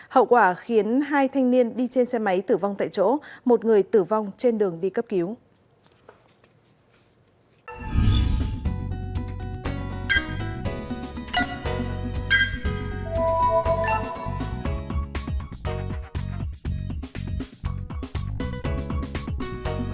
hậu quả khiến hai thanh niên đi trên xe máy tử vong tại chỗ một người tử vong trên đường đi cấp cứu